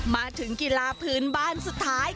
มาถึงกีฬาพื้นบ้านสุดท้าย